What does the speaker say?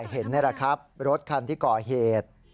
เห็นนี่แหละครับรถคันที่ก่อเหตุ